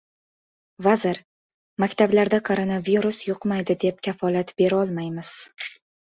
Vazir: "...Maktablarda koronavirus yuqmaydi deb kafolat berolmaymiz!"